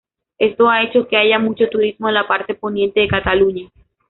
Esto ha hecho que haya mucho turismo en la parte Poniente de Cataluña.